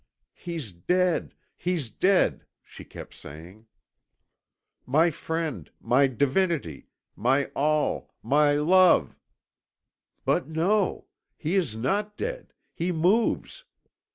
"He's dead, he's dead!" she kept saying. "My friend, my divinity, my all, my love But no! he is not dead, he moves.